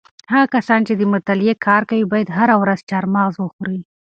هغه کسان چې د مطالعې کار کوي باید هره ورځ چهارمغز وخوري.